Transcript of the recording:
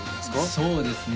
そうですね